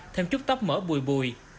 thêm chút tóc mỡ bùi bùi